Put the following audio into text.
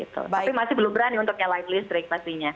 tapi masih belum berani untuk yang light listrik pastinya